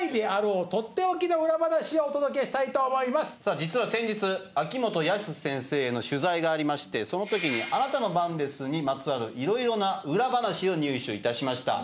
実は先日秋元康先生への取材がありましてその時に『あなたの番です』にまつわるいろいろな裏話を入手いたしました。